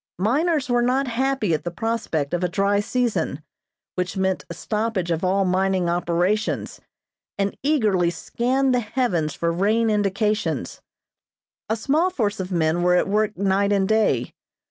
Miners were not happy at the prospect of a dry season, which meant a stoppage of all mining operations, and eagerly scanned the heavens for rain indications. A small force of men were at work night and day.